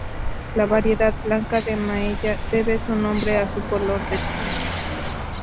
La variedad 'Blanca de Maella' debe su nombre a su color de piel.